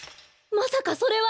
まさかそれは。